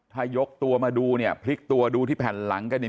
ถ้ายกตัวมาดูเนี่ยพลิกตัวดูที่แผ่นหลังกันเนี่ย